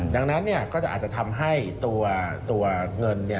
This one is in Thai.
ดังนั้นก็จะอาจจะทำให้ตัวเงิน